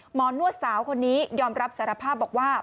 นวดสาวคนนี้ยอมรับสารภาพบอกว่า